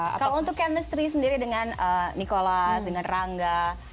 kalau untuk chemistry sendiri dengan nicholas dengan ranga